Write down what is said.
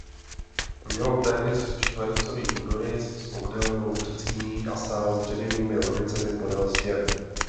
Mělo téměř čtvercový půdorys s obdélnou předsíní a sál s dřevěnými lavicemi podél stěn.